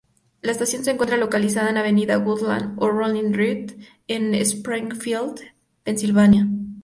La estación se encuentra localizada en Avenida Woodland y Rolling Road en Springfield, Pensilvania.